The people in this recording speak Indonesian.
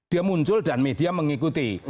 dia muncul dan media mengikuti